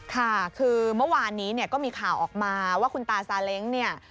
ค่ะคือเมื่อวานนี้เนี่ยก็มีข่าวออกมาว่าคุณตาซาเล้งเนี่ย